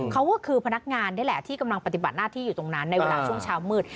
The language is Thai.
เขาก็คือพนักงานนี่แหละที่กำลังปฏิบัติหน้าที่อยู่ตรงนั้นในเวลาช่วงเช้ามืด